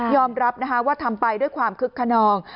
รับนะคะว่าทำไปด้วยความคึกขนอง